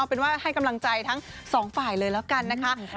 เป็นว่าให้กำลังใจทั้งสองฝ่ายเลยแล้วกันนะคะ